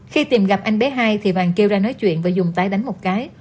khi tìm gặp anh bé hai thì vàng kêu ra nói chuyện và dùng tái đánh một cái